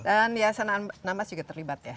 dan yayasan anambas juga terlibat ya